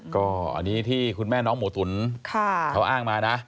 ก็อันนี้ที่คุณแม่น้องหมูตุ๋นเขาอ้างมานะ